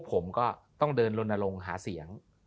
ผมก็ต้องเดินลนลงหาเสียง